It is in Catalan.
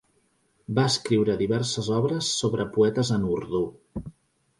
Va escriure diverses obres sobre poetes en urdú.